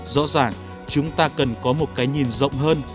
rõ ràng chúng ta cần có một cái nhìn rộng hơn